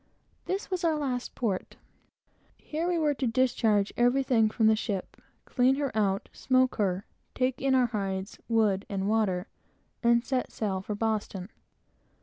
This was our last port. Here we were to discharge everything from the ship, clean her out, smoke her, take in our hides, wood, water, etc., and set sail for Boston.